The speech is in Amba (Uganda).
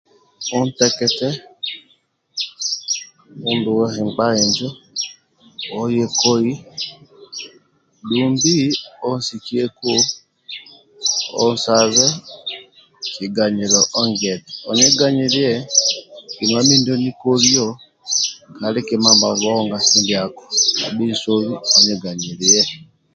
Ontekete onduwe nkpa injo oye koi dumbi onsikieku onsabe kiganyilo ongie eti oniganyilie kima mindiebnikolio kabhi kima mabhonga kindiako abhi nsobi o oniganyilie